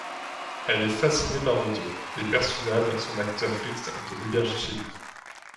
Elle est fascinée par Otto, et persuade son acteur Fritz de l'héberger chez lui.